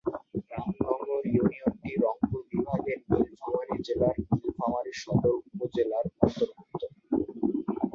রামনগর ইউনিয়নটি রংপুর বিভাগের নীলফামারী জেলার নীলফামারী সদর উপজেলার অন্তর্ভুক্ত।